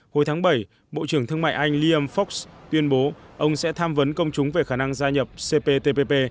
hồi tháng bảy bộ trưởng thương mại anh liam fox tuyên bố ông sẽ tham vấn công chúng về khả năng gia nhập cptpp